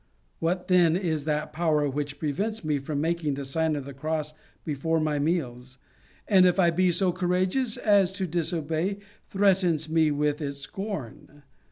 What, then, is that power which prevents me from making the Sign of the Cross before my meals ; and, if I be so courageous as to disobey, threatens me with its scorn